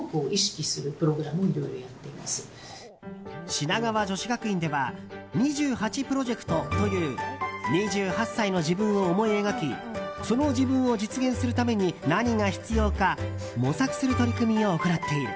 品川女子学院では２８プロジェクトという２８歳の自分を思い描きその自分を実現するために何が必要か模索する取り組みを行っている。